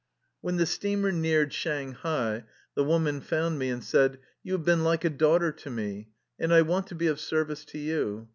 When the steamer neared Shanghai, the woman found me and said :" You have been like a daughter to me, and I want to be of service to you.